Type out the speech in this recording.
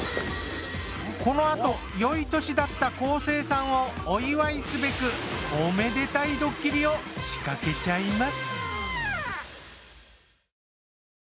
このあとよい年だった昂生さんをお祝いすべくおめでたいドッキリを仕掛けちゃいます。